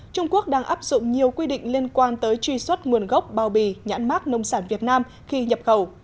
trung quốc đang áp dụng nhiều quy định liên quan tới truy xuất nguồn gốc bao bì nhãn mát nông sản việt nam khi nhập khẩu